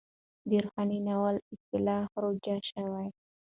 د روحاني ناول اصطلاح رواج شوه.